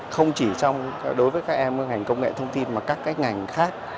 không chỉ đối với các em ngành công nghệ thông tin mà các ngành khác